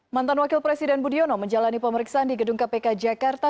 mantan wakil presiden budiono menjalani pemeriksaan di gedung kpk jakarta